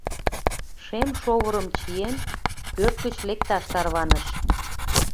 Шем шовырым чиен, пӧрт гыч лекташ тарваныш.